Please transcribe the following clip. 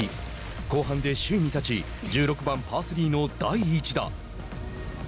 後半で首位に立ち１６番パースリーの第１打。